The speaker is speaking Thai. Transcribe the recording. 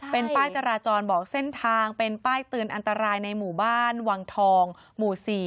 เป็นป้ายจราจรบอกเส้นทางเป็นป้ายเตือนอันตรายในหมู่บ้านวังทองหมู่๔